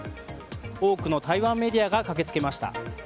多くの台湾メディアが駆けつけました。